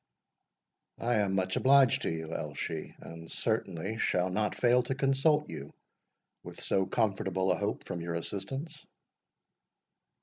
"I am much obliged to you, Elshie, and certainly shall not fail to consult you, with so comfortable a hope from your assistance."